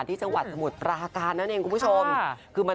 ดีมากเลย